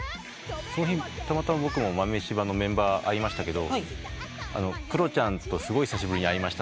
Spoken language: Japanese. その日たまたま僕も豆柴のメンバー会いましたがクロちゃんとすごい久しぶりに会いましたって言ってました。